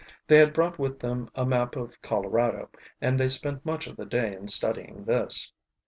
They had brought with them a map of Colorado, and they spent much of the day in studying this.